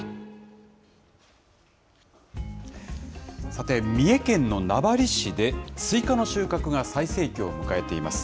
さて、三重県の名張市でスイカの収穫が最盛期を迎えています。